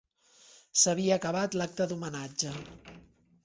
S'havia acabat l'acte d'homenatge.